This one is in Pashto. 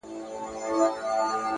پرمختګ له داخلي بدلون پیل کېږي.!